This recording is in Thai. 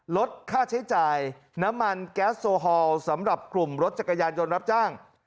ลดค่าใช้จ่ายน้ำมันแก๊สโซฮอลสำหรับกลุ่มรถจักรยานยนต์รับจ้าง